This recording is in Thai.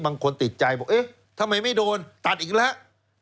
ติดใจบอกเอ๊ะทำไมไม่โดนตัดอีกแล้ว